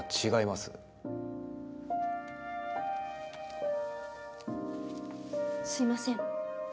すいません。